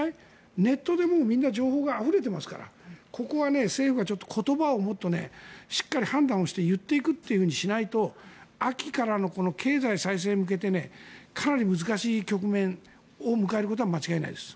ネットでみんな情報があふれてますから政府が言葉をもっと判断して言っていくようにしないと秋からの経済再生に向けてかなり難しい局面を迎えることは間違いないです。